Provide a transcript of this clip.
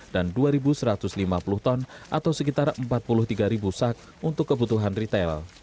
dua satu ratus lima puluh ton atau sekitar empat puluh tiga sak untuk kebutuhan retail